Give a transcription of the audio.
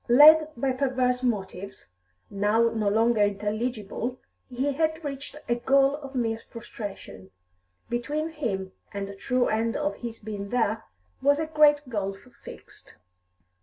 Led by perverse motives, now no longer intelligible, he had reached a goal of mere frustration; between him and the true end of his being there was a great gulf fixed.